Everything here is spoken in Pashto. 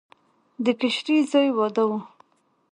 د کشري زوی واده و.